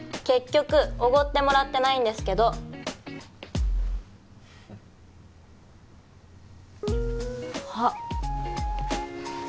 結局おごってもらってないんですけどあっ